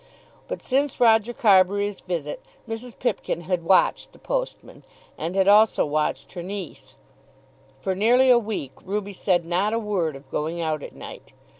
But since Roger Carbury's visit Mrs. Pipkin had watched the postman, and had also watched her niece. For nearly a week Ruby said not a word of going out at night.